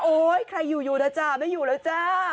โอ๊ยใครอยู่นะจ้าไม่อยู่แล้วจ้า